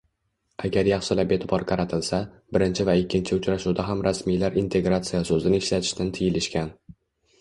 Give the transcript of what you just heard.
Agar yaxshilab eʼtibor qaratilsa, birinchi va ikkinchi uchrashuvda ham rasmiylar “integratsiya” soʻzini ishlatishdan tiyilishgan.